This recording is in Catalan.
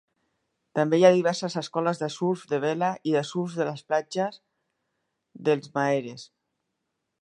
També hi ha diverses escoles de surf de vela i surf a les platges dels Maharees.